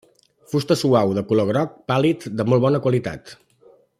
Fusta suau, de color groc pàl·lid de molt bona qualitat.